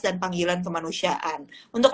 dan panggilan kemanusiaan untuk